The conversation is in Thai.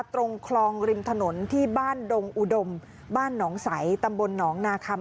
ตรงคลองริมถนนที่บ้านดงอุดมบ้านหนองใสตำบลหนองนาคำ